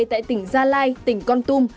tại tỉnh gia lai tỉnh con tum